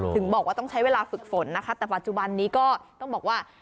ถึงบอกว่าต้องใช้เวลาฝึกฝนนะคะแต่ปัจจุบันนี้ก็ต้องบอกว่า